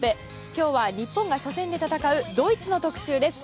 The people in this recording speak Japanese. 今日は日本が初戦で戦うドイツの特集です。